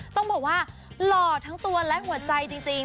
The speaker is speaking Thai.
ต้องบอกว่าหล่อทั้งตัวและหัวใจจริง